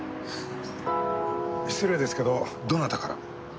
失礼ですけどどなたから？